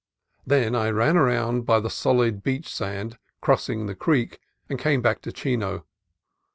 Then I ran round by the solid beach sand, crossing the creek, and came back to Chino.